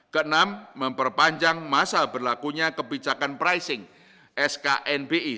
keenam memperpanjang masa berlakunya kebijakan pricing sknbi